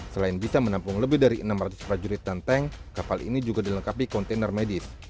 selain bisa menampung lebih dari enam ratus prajurit dan tank kapal ini juga dilengkapi kontainer medis